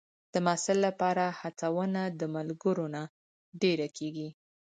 د محصل لپاره هڅونه د ملګرو نه ډېره کېږي.